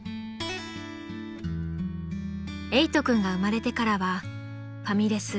［えいと君が生まれてからはファミレス